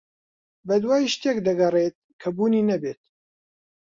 بەدوای شتێک دەگەڕێت کە بوونی نەبێت.